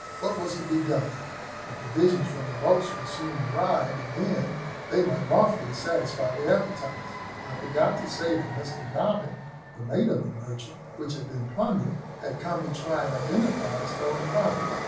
What was to be done? The provisions from the boats would soon arrive, and then they might lawfully satisfy their appetites. I forgot to say that Mr Dobbin, the mate of the merchantman which had been plundered, had come to try and identify the stolen property.